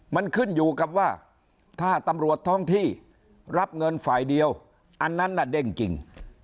มันขึ้นอยู่กับว่าถ้าตำรวจท้องที่รับเงินฝ่ายเดียวอันนั้นน่ะเด้งจริง